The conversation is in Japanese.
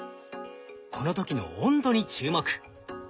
この時の温度に注目。